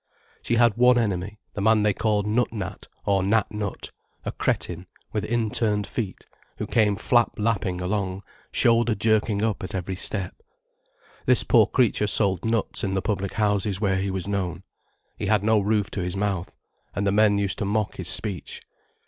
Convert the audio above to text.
She had one enemy, the man they called Nut Nat, or Nat Nut, a cretin, with inturned feet, who came flap lapping along, shoulder jerking up at every step. This poor creature sold nuts in the public houses where he was known. He had no roof to his mouth, and the men used to mock his speech.